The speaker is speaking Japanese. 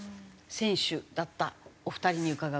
選手だったお二人に伺うと。